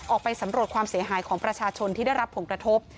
ออกไปสำรวจความเสียหายของประชาชนที่ได้รับผลกระทบ